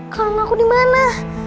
kalung aku dimana